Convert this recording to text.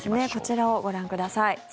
こちらをご覧ください。